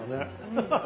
アハハハ！